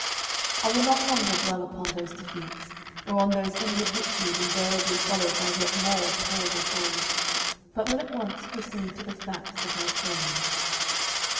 I will not longer dwell upon those defeats, or on those inward victories invariably followed by yet more terrible falls, but will at once proceed to the facts of my story.